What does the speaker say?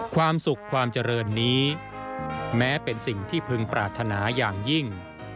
ความสุขความเจริญนี้แม้เป็นสิ่งที่พึงปรารถนาอย่างยิ่ง